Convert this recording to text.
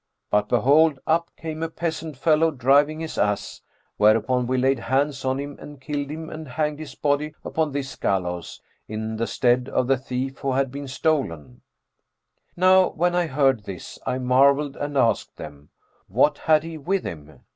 But, behold, up came a peasant fellow driving his ass; whereupon we laid hands on him and killed him and hanged his body upon this gallows, in the stead of the thief who had been stolen.'[FN#404] Now when I heard this, I marvelled and asked them, 'What had he with him?'